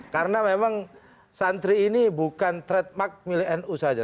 karena memang santri ini bukan trademark milik nu saja